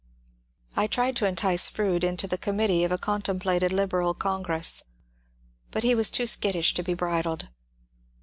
I tried to entice Froude into the committee of a contem plated Liberal Congress. But he was too skittish to be bridled.